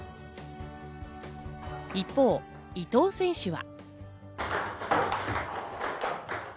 一方、伊藤選手は。